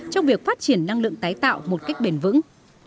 trong việc phát triển năng lượng tái tạo một cách bền vững